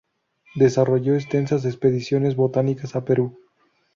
Desarrolló extensas expediciones botánicas a Perú.